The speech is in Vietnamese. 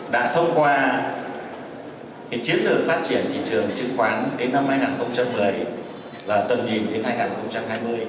đã thông qua chiến lược phát triển thị trường chứng khoán đến năm hai nghìn một mươi và tầm nhìn đến hai nghìn hai mươi